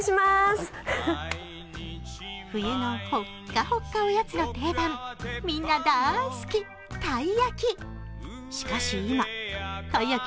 冬のほっかほっかおやつの定番、みんな大好き、たい焼き。